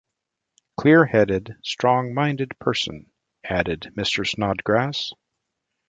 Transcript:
‘Clear-headed, strong-minded person,’ added Mr. Snodgrass.